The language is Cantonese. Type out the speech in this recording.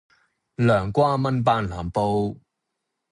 涼瓜炆班腩煲